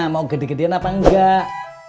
mau gede gedean apa enggak